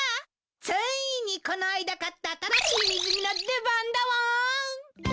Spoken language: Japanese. ついにこの間買った新しい水着の出番だわん。